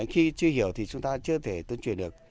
khi chưa hiểu thì chúng ta chưa thể tuyên truyền được